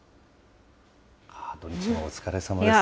土日もお疲れさまです。